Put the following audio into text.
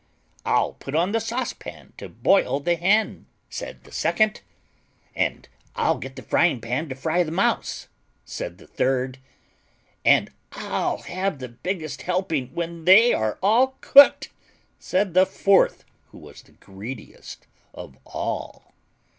"I'll put on the saucepan to boil the Hen," said the second. "And I'll get the frying pan to fry the Mouse," said the third. "And I'll have the biggest helping when they are all cooked," said the fourth, who was the greediest of all.